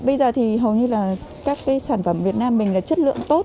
bây giờ thì hầu như là các cái sản phẩm việt nam mình là chất lượng tốt